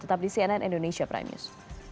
tetap di cnn indonesia prime news